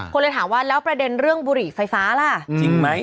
คนเลยถามว่าแล้วประเด็นเรื่องบุหรี่ไฟฟ้าล่ะจริงไหม